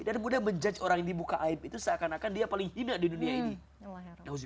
dan mudah menjudge orang yang dibuka aib itu seakan akan dia paling hina di dunia ini